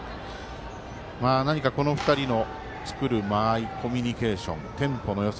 何か、この２人の作る間合いコミュニケーションテンポのよさ